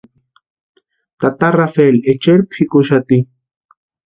Tata Rafeli echeri pʼikuxati.